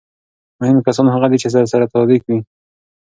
مهم کسان هغه دي چې درسره صادق وي.